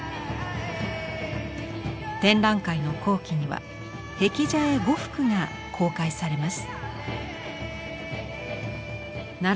展覧会の後期には「辟邪絵」５幅が公開されます。